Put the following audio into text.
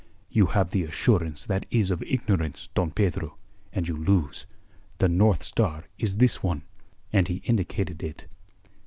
"You have the assurance that is of ignorance, Don Pedro; and you lose. The North Star is this one." And he indicated it.